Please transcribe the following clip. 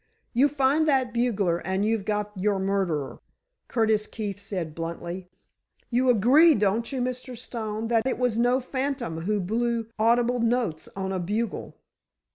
"You find that bugler, and you've got your murderer," Curtis Keefe said, bluntly. "You agree, don't you, Mr. Stone, that it was no phantom who blew audible notes on a bugle?"